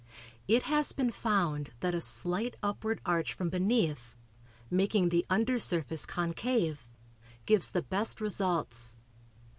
It has been found that a slight upward arch from beneath, making the under surface concave, gives the best results.